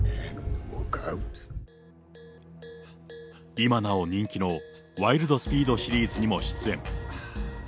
今なお人気の、ワイルド・スピードシリーズにも出演。